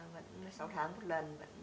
vẫn sáu tháng một lần